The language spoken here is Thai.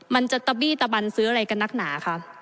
มันจะตะบี้ตะบันซื้ออะไรกันนักหนาคะ